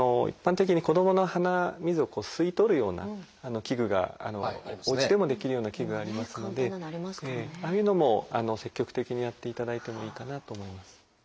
一般的に子どもの鼻水を吸い取るような器具がおうちでもできるような器具ありますのでああいうのも積極的にやっていただいてもいいかなと思います。